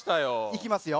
いきますよ。